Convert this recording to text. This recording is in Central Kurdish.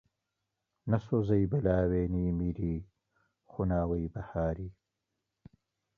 نە سۆزەی بلاوێنی میری، خوناوەی بەهاری